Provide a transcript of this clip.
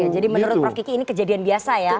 oke jadi menurut prof kiki ini kejadian biasa ya